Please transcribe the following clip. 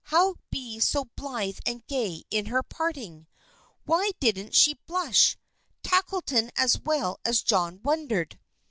How be so blithe and gay in her parting? Why didn't she blush? Tackleton as well as John wondered.